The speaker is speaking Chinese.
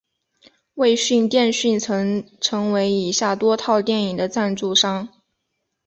卫讯电讯曾成为以下多套电影的赞助商。